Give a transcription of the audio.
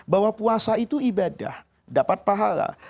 bahwa puasa itu ibadah dapat pahala